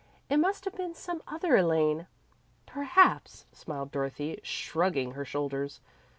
It must have been some other Elaine." "Perhaps," smiled Dorothy, shrugging her shoulders.